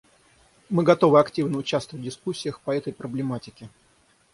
Мы готовы активно участвовать в дискуссиях по этой проблематике.